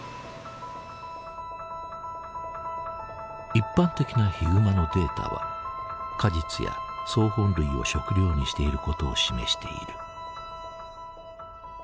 一般的なヒグマのデータは果実や草本類を食料にしていることを示している。